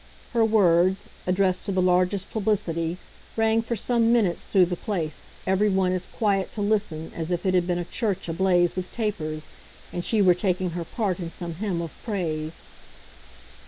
Her words, addressed to the largest publicity, rang for some minutes through the place, every one as quiet to listen as if it had been a church ablaze with tapers and she were taking her part in some hymn of praise.